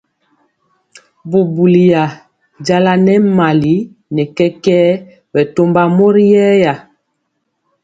Bubuliya jala nɛ mali nɛ kɛkɛɛ bɛ tɔmba mori yɛya.